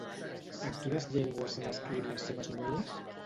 En quines llengües s'han escrit les seves novel·les?